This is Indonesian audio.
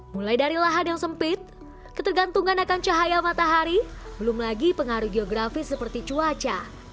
mulai dari lahan yang sempit ketergantungan akan cahaya matahari belum lagi pengaruh geografis seperti cuaca